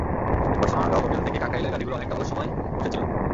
এরপর সোনারগাঁও হোটেল থেকে কাকরাইলের গাড়িগুলো অনেকটা অলস সময় বসে ছিল।